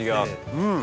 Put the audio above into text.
うん！